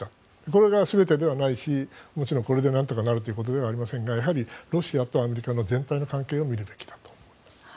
これが全てではないしこれでなんとかなるということではないですがロシアとアメリカの全体の関係を見るべきだと思います。